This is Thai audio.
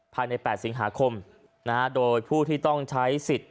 ภายใน๘สิงหาคมโดยผู้ที่ต้องใช้สิทธิ์